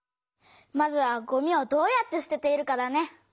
まずはごみをどうやってすてているかだね。